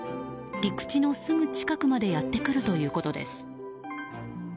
陸地のすぐ近くまでやってくるということです。